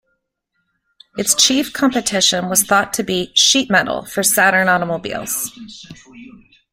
Its chief competition was thought to be "Sheet Metal" for Saturn automobiles.